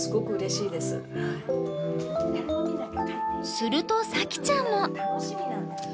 すると早季ちゃんも。